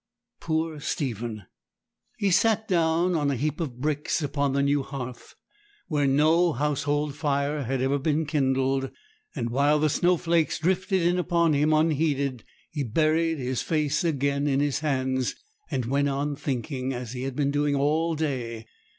Poor Stephen! He sat down on a heap of bricks upon the new hearth, where no household fire had ever been kindled; and, while the snow flakes drifted in upon him unheeded, he buried his face again in his hands, and went on thinking, as he had been doing all day.